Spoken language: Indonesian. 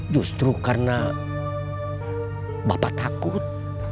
justru karena bapak takut